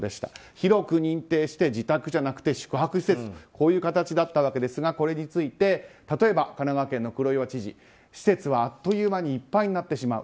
広く認定して自宅じゃなくて宿泊施設とこういう形だったわけですがこれについて例えば神奈川県の黒岩知事施設はあっという間にいっぱいになってしまう。